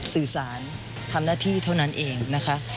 สื่อสารทำหน้าที่เท่านั้นเองนะคะ